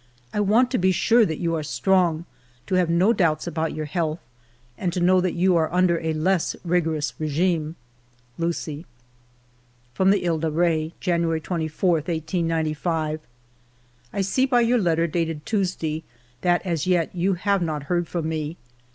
I want to be sure that you are strong, to have no doubts about your health, and to know that you are under a less rigorous regime. Lucie. From the He de Re :— "January 24, 1895. " I see by your letter dated Tuesday that as yet you have not heard from me.